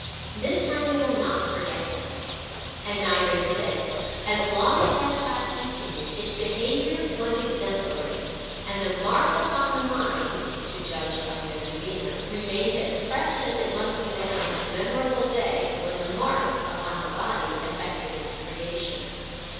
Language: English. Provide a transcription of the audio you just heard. This time they will not forget." And neither did they. As long as that class continued, its behaviour was exemplary; and "the mark upon the mind," to judge by their demeanour, remained as fresh as it must have been on that memorable day when the "mark" upon the body effected its creation.